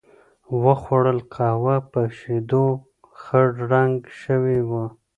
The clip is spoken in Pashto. و خوړل، قهوه په شیدو خړ رنګه شوې وه.